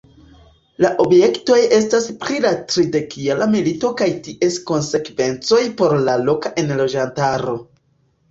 La objektoj estas pri la Tridekjara milito kaj ties konsekvencoj por la loka enloĝantaro.